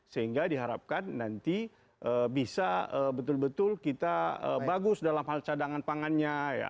sehingga diharapkan nanti bisa betul betul kita bagus dalam hal cadangan pangannya